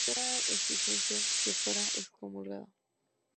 Había exigencias de que fuera excomulgado.